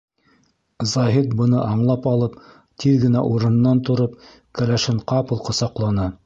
Заһит быны аңлап алып, тиҙ генә урынынан тороп кәләшен ҡапыл ҡосаҡланы.